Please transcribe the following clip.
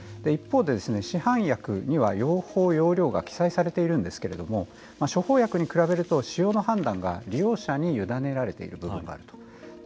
一方で、市販薬には用法・用量が記載されているんですけれども処方薬に比べると使用の判断が利用者に委ねられている部分があると。